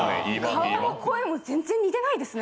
顔も声も全然似てないですね。